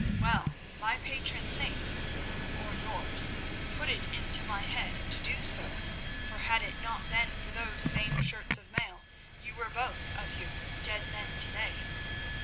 Well, my patron saint—or yours—put it into my head to do so, for had it not been for those same shirts of mail, you were both of you dead men to day.